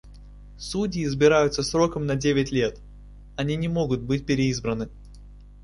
Судьи избираются сроком на девять лет. Они не могут быть переизбраны.